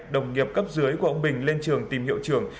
đồng nghiệp cấp dưới của ông bình lên trường tìm hiệu trường